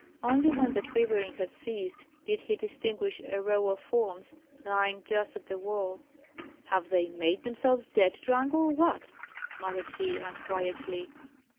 Only when the quivering had ceased did he distinguish a row of forms lying just at the wall. "Have they made themselves dead drunk or what?" muttered he, unquietly.